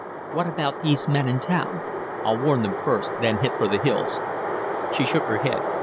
"What about these men in town?" "I'll warn them first, then hit for the hills." She shook her head.